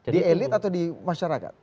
di elit atau di masyarakat